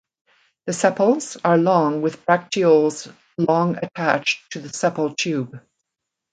The sepals are long with bracteoles long attached to the sepal tube.